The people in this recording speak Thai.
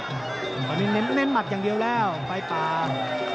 ตอนนี้เน้นหมัดอย่างเดียวแล้วไฟป่า